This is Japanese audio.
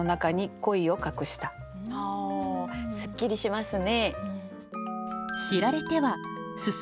あすっきりしますね。